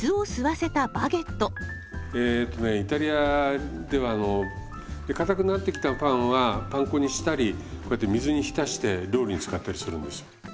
えとねイタリアではかたくなってきたパンはパン粉にしたりこうやって水に浸して料理に使ったりするんですよ。